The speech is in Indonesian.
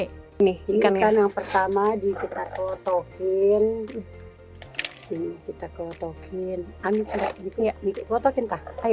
ini ikan yang pertama kita kelotokin